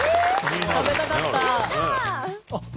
食べたかった！